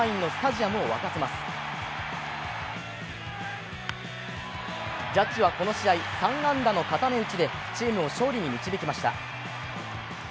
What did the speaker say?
ジャッジはこの試合３安打の固め打ちでチームを勝利に導きました。